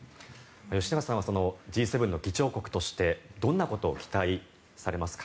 吉永さんはＧ７の議長国としてどんなことを期待されますか。